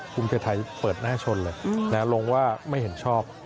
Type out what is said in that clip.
ภูมิใจไทยเปิดหน้าชนเลยลงว่าไม่เห็นชอบ